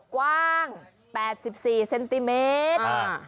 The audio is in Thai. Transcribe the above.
กว้าง๘๔เซนติเมตร